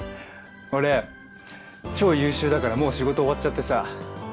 俺超優秀だからもう仕事終わっちゃってさ。